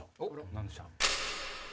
何でした？